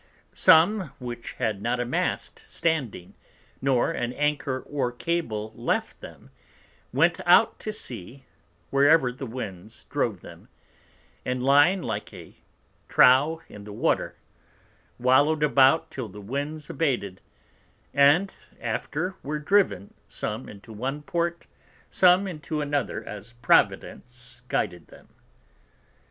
Some which had not a Mast standing, nor an Anchor or Cable left them, went out to Sea wherever the Winds drove them; and lying like a Trough in the Water, wallow'd about till the Winds abated; and after were driven, some into one Port, some into another, as Providence guided them.